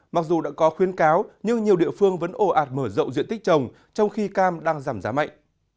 mặc dù đã có khuyến cáo nhưng nhiều địa phương vẫn ổ ạt mở rộng diện tích trồng trong khi cam đang giảm giá mạnh